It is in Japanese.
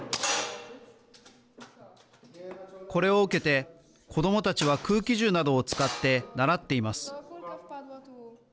これを受けて、子どもたちは空気銃などを使って習っています。